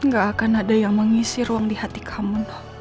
gak akan ada yang mengisi ruang di hati kamu